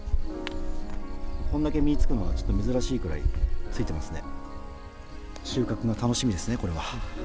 こんだけ実つくのは、ちょっと珍しいぐらい、ついてますね。